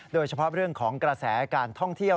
โดยเฉพาะเรื่องของกระแสการท่องเที่ยว